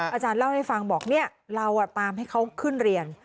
อาจารย์เล่าให้ฟังบอกเราตามให้เขาขึ้นเรียน